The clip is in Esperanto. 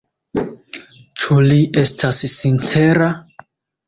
Ĉu li estas sincera?